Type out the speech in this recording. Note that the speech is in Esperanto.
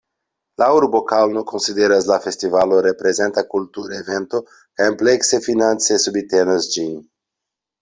La urbo Kaŭno konsideras la festivalo reprezenta kultura evento kaj amplekse finance subtenas ĝin.